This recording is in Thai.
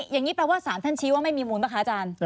อย่างนี้แปลว่าสารท่านชี้ว่าไม่มีมูลป่ะคะอาจารย์